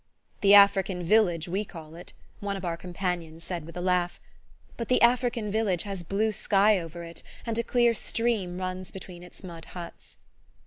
"The African village, we call it," one of our companions said with a laugh: but the African village has blue sky over it, and a clear stream runs between its mud huts.